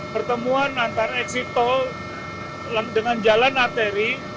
pertemuan antara eksito dengan jalan arteri